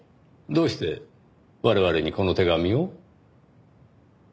どうして我々にこの手紙を？